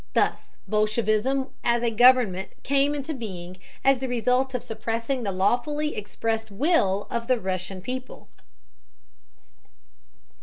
Thus bolshevism as a government came into being as the result of suppressing the lawfully expressed will of the Russian people.